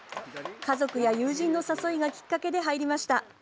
家族や友人の誘いがきっかけで入りました。